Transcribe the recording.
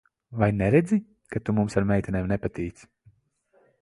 Vai neredzi, ka tu mums ar meitenēm nepatīc?